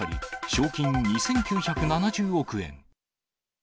賞金２９７０億円。